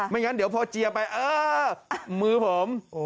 ไม่งั้นเดี๋ยวพอเจียร์ไปมือผม